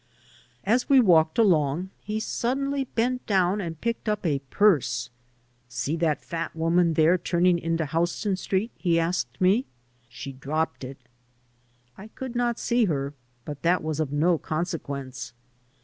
As we walked along he suddenly bent down and picked up a purse. "See that fat woman there turning into Houston Street?" he asked me. "She dropped it." I could not see her, but that was of no consequence.